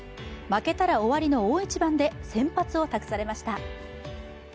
負けたら終わりの大一番で先発を託されました。